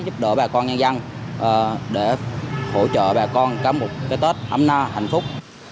giúp đỡ bà con nhân dân để hỗ trợ bà con cám bộ cái tết ấm na hạnh phúc